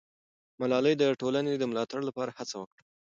ملالۍ د ټولنې د ملاتړ لپاره هڅه وکړه.